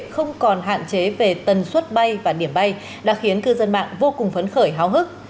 không còn hạn chế về tần suất bay và điểm bay đã khiến cư dân mạng vô cùng phấn khởi háo hức